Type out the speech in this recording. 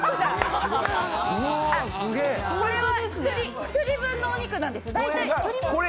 これは１人分のお肉なんですよ。